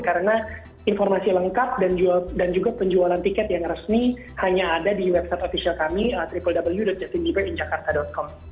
karena informasi lengkap dan juga penjualan tiket yang resmi hanya ada di website official kami www justindepayinjakarta com